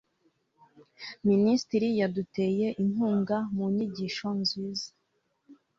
Minisitiri yaduteye inkunga mu nyigisho nziza.